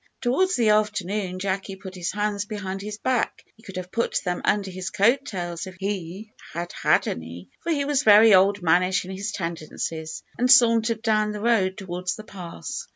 Towards the afternoon, Jacky put his hands behind his back he would have put them under his coat tails if he had had any, for he was very old mannish in his tendencies and sauntered down the road towards the pass.